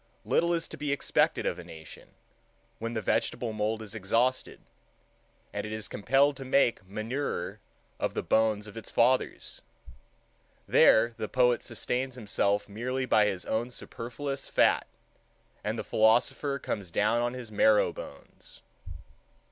little is to be expected of a nation, when the vegetable mould is exhausted, and it is compelled to make manure of the bones of its fathers. There the poet sustains himself merely by his own superfluous fat, and the philosopher comes down on his marrow bones.